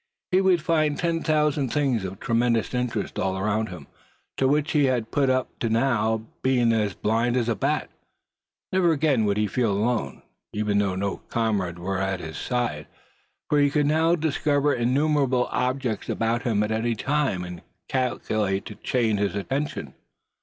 He would find ten thousand things of tremendous interest all around him, to which he had up to now been as blind as a bat. Never again would he feel alone, even though no comrade were at his side; for he could discover innumerable objects about him at any time, calculated to chain his attention.